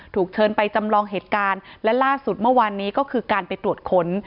ถูกเชิญไปจำลองเหตุการณ์และล่าสุดเมื่อวานนี้ก็คือการไปตรวจค้น